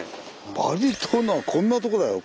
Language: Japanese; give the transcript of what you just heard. バリ島のはこんなとこだよ。